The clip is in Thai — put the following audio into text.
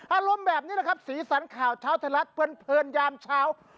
อารมณ์แบบนี้นะครับสีสันข่าวเช้าไทยรัฐเพลินยามเช้า